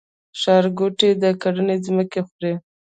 ښارګوټي د کرنې ځمکې خوري؟